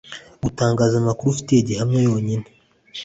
Gutangaza amakuru ufitiye gihamya yonyine.